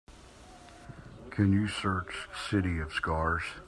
Can you search City of Scars?